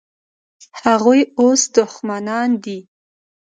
هغوی اوس دښمنان دي.